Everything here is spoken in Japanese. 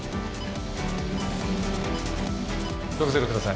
６−０ください。